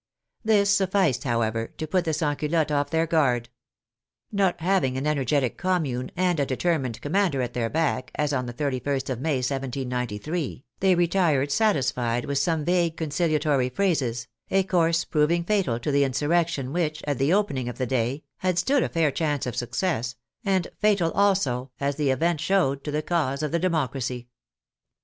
This sufficed, however, to put the Sansculottes off their guard. Not having an energetic Commune and a determined commander at their back, as on the 31st of May, 1793, they retired satisfied with some vague conciliatory phrases, a course proving fatal to the insurrection which, at the opening of the day, had stood a fair chance of success, and fatal also, as the event showed, to the cause of the democracy.